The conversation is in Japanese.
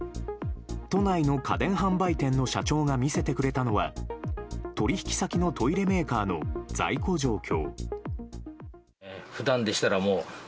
都内の家電販売店の社長が見せてくれたのは取引先のトイレメーカーの在庫状況。